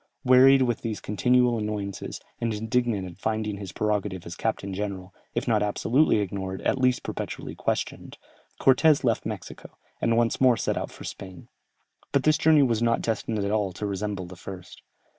Wearied with these continual, annoyances, and indignant at finding his prerogative as captain general, if not absolutely ignored, at least perpetually questioned, Cortès left Mexico, and once more set out for Spain. But this journey was not destined at all to resemble the first.